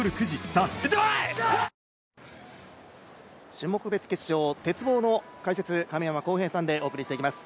種目別決勝鉄棒の解説は亀山耕平さんでお送りしていきます。